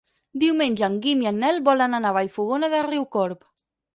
Diumenge en Guim i en Nel volen anar a Vallfogona de Riucorb.